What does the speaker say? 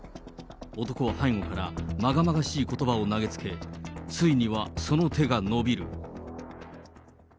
男は背後からまがまがしいことばを投げつけ、ついにはその手が伸びる。